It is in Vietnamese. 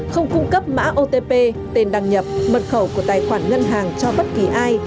không cung cấp mã otp tên đăng nhập mật khẩu của tài khoản ngân hàng cho bất kỳ ai